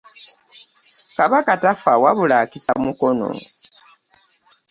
Kabaka tafa wabula akisa mukono.